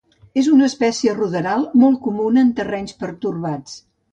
És una espècie ruderal, molt comuna en terrenys pertorbats.